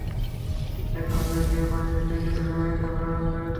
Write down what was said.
একে অন্যের গায়ে পানি ছিটিয়ে কিছু সময়ের জন্য আনন্দে মেতে ওঠেন।